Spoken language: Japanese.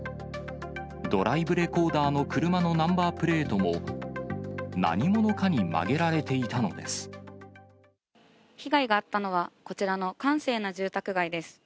ドライブレコーダーの車のナンバープレートも、何者かに曲げられ被害があったのは、こちらの閑静な住宅街です。